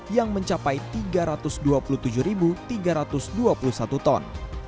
yang mencapai tiga ratus dua puluh tujuh tiga ratus dua puluh satu ton